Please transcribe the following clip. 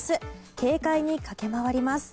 軽快に駆け回ります。